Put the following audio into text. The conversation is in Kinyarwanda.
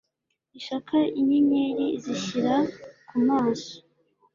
ishaka inyenyeri izishyira ku maso